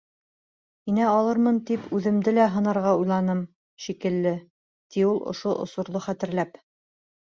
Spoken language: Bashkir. Инә алырмынмы тип, үҙемде лә һынарға уйланым, шикелле, — ти ул, шул осорҙо хәтерләп.